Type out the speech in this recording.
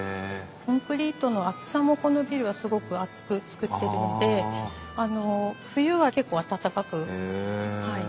コンクリートの厚さもこのビルはすごく厚く造ってるのであの冬は結構暖かくなります。